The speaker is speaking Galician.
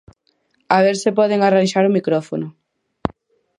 A ver se poden arranxar o micrófono.